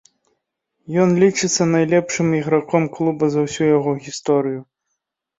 Ён лічыцца найлепшым іграком клуба за ўсю яго гісторыю.